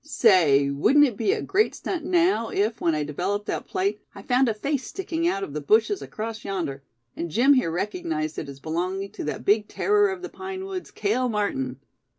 Say, wouldn't it be a great stunt now, if, when I developed that plate, I found a face sticking out of the bushes across yonder; and Jim here recognized it as belonging to that big terror of the pine woods, Cale Martin!"